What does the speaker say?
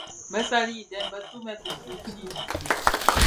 Bësali dèm bëtumèn kifuuti.